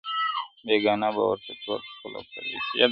o بېګانه به ورته ټول خپل او پردي سي,